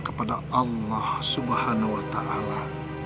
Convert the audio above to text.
kepada allah subhanahu wa ta'ala